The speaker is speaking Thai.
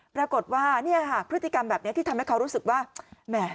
ปรากฏว่าพฤติกรรมแบบนี้ที่ทำให้เขารู้สึกว่า